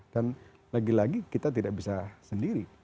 dan lagi lagi kita tidak bisa sendiri